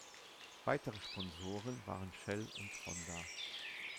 Weitere Sponsoren waren Shell und Honda.